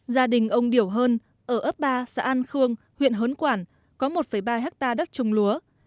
gia đình ông điểu hơn ở ấp ba xã an khương huyện hớn quản có một ba hectare đất trồng lúa